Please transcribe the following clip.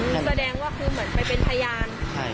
แสดงว่าคือเหมือนไปเป็นพยาน